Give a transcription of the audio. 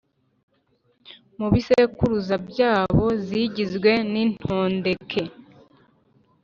mu bisekuruza byabo zigizwe n’intondeke